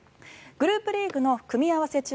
グループリーグの組み合わせ